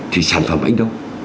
thì sản phẩm ảnh đâu